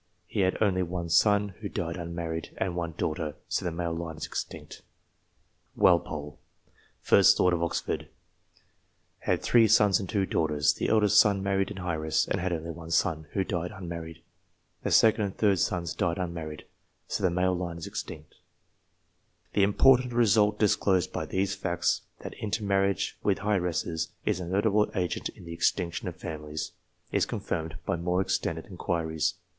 He had only one son, who died unmarried, and one daughter ; so the male line is extinct. Walpole, 1st Earl of Orford. Had three sons and two daughters. The eldest son married an heiress^ and had only K 130 ENGLISH PEERAGES, one son, who died unmarried. The second and third sons died unmarried ; so the male line is extinct. The important result disclosed by these facts, that inter marriage with heiresses is a notable agent in the extinction of families, is confirmed by more extended inquiries.